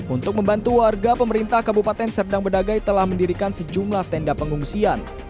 untuk membantu warga pemerintah kabupaten serdang bedagai telah mendirikan sejumlah tenda pengungsian